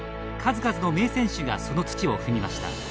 数々の名選手がその土を踏みました。